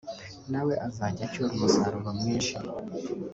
nawe azajya acyura umusaruro mwinshi